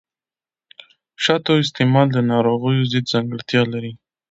د شاتو استعمال د ناروغیو ضد ځانګړتیا لري.